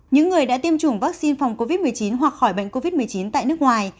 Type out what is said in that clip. những người đã tiêm chủng vaccine phòng covid một mươi chín hoặc khỏi bệnh covid một mươi chín tại nước ngoài